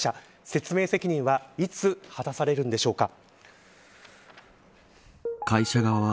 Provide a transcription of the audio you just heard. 説明責任はいつ果たされるんでしょうか。